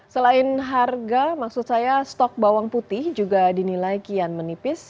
selain harga maksud saya stok bawang putih juga dinilai kian menipis